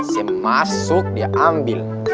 saya masuk dia ambil